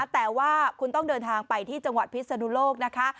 แต่ว่าคุณต้องเดินทางไปที่จังหวัดพิศนุโลกนะคะ